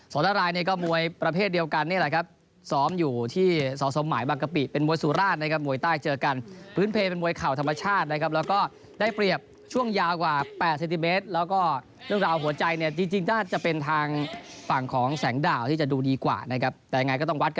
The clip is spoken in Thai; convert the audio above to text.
ซ้อมในค่ายของสกิติชัยทุ่งศง